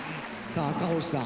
赤星さん